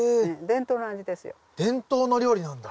伝統の料理なんだ。